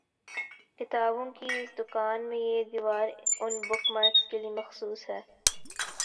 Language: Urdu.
کتابوں کی اس دکان میں یہ دیوار اُن بک مارکس کےلیے مخصوص ہے